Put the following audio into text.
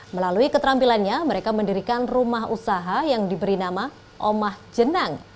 melalui keterampilannya mereka mendirikan rumah usaha yang diberi nama omah jenang